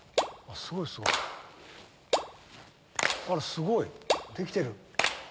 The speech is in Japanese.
あらすごい！できてる！